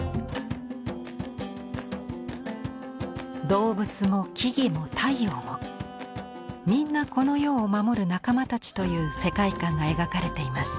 動物も木々も太陽もみんなこの世を守る仲間たちという世界観が描かれています。